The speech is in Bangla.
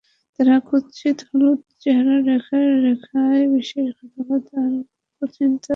তার কুৎসিত হলুদ চেহারার রেখায় রেখায় বিশ্বাসঘাতকতা আর কুচিন্তা ফুটে উঠল।